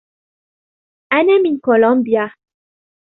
أنا من كولومبيا.